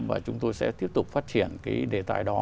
và chúng tôi sẽ tiếp tục phát triển cái đề tài đó